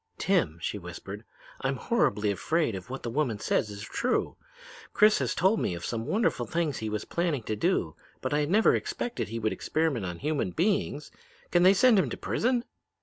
"'Tim,' she whispered, 'I'm horribly afraid that what the woman says is true. Chris has told me of some wonderful things he was planning to do, but I never expected he would experiment on human beings. Can they send him to prison?'